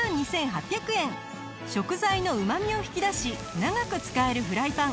食材のうまみを引き出し長く使えるフライパン。